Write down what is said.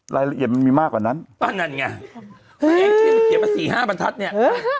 รายละเอียดมันมีมากกว่านั้นอ่านั่นไงที่มันเขียนมาสี่ห้าบรรทัศน์เนี่ย